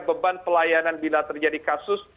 beban pelayanan bila terjadi kasus